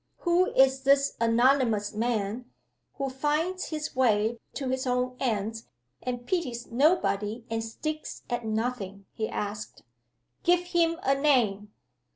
"Who is this anonymous man, who finds his way to his own ends, and pities nobody and sticks at nothing?" he asked. "Give him a name!"